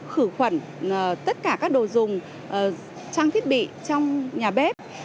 khử khuẩn tất cả các đồ dùng trang thiết bị trong nhà bếp